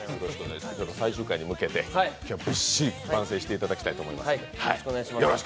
最終回に向けて今日は番宣していただきたいと思います。